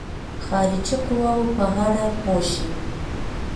خارجي قواوو په اړه پوه شي.